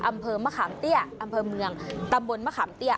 อำเภอมะขามเตี้ยอำเภอเมืองตำบลมะขามเตี้ย